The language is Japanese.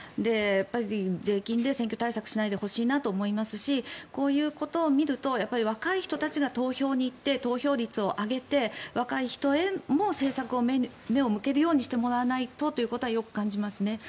やっぱり税金で選挙対策しないでほしいなと思いますしこういうことを見ると若い人たちが投票に行って投票率を上げて若い人へも政策の目を向けるようにしてもらわないとということはよく感じますね。